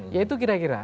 ya itu kira kira